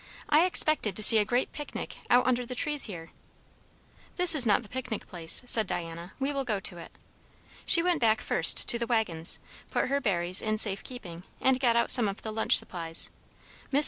I expected to see a great picnic out under the trees here." "This is not the picnic place," said Diana. "We will go to it." She went back first to the waggons; put her berries in safe keeping, and got out some of the lunch supplies. Mr.